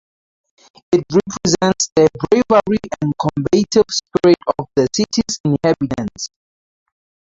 It represents the bravery and combative spirit of the city's inhabitants.